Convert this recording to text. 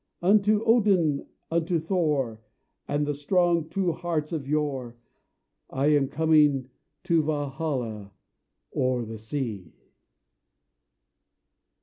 Unto Odin, unto Thor, And the strong, true hearts of yore I am coming to Valhalla, O'er the sea."